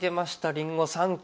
りんご３個。